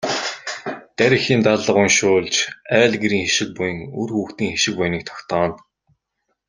Дарь эхийн даллага уншуулж айл гэрийн хишиг буян, үр хүүхдийн хишиг буяныг тогтооно.